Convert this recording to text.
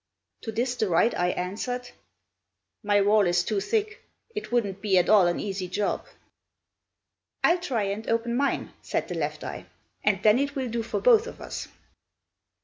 To this the right eye answered, "My wall is too thick; it wouldn't be at all an easy job." "I'll try and open mine," said the left eye, "and then it will do for both of us."